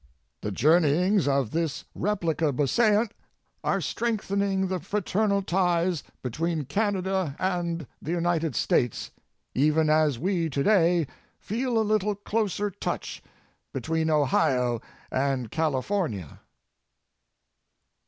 The journeyings of this replica beauseant are strengthen ing the fraternal ties between Canada and the United States, even as we today feel a little closer touch between Ohio and California.